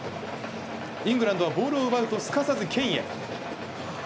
イングランドはボールを奪うとすかさずケインへ。